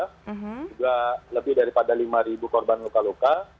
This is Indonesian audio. juga lebih daripada lima korban luka luka